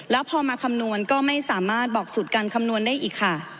แล้วพอมาคำนวณก็ไม่สามารถบอกสูตรการคำนวณได้อีกค่ะ